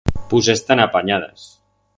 Pus estam apanyadas!